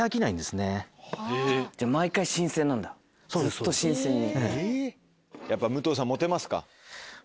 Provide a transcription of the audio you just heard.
ずっと新鮮に。